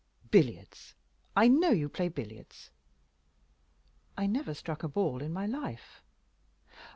"Billiards? I know you play billiards." "I never struck a ball in my life."